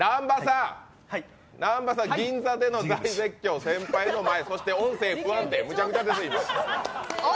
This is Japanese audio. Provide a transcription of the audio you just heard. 南波さん、銀座での大絶叫、先輩の前、そして音声不安定、むちゃくちゃです。